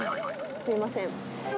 すみません。